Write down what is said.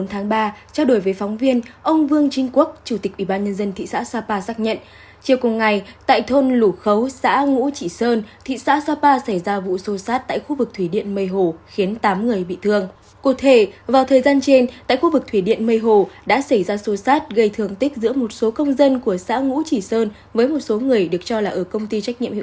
hãy đăng ký kênh để ủng hộ kênh của chúng mình nhé